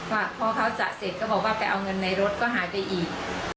ว่าพอเขาจะเสร็จก็บอกว่าไปเอาเงินในรถก็หายไปอีก